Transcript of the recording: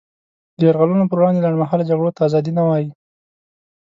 د یرغلونو پر وړاندې لنډمهاله جګړو ته ازادي نه وايي.